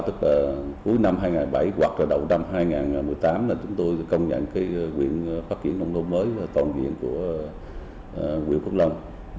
tức là cuối năm hai nghìn bảy hoặc đầu năm hai nghìn một mươi tám chúng tôi công nhận quyền phát triển nông thôn mới toàn diện của huyện phước long